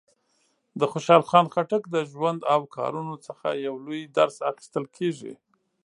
د خوشحال خان خټک د ژوند او کارونو څخه یو لوی درس اخیستل کېږي.